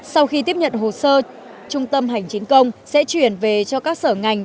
sau khi tiếp nhận hồ sơ trung tâm hành chính công sẽ chuyển về cho các sở ngành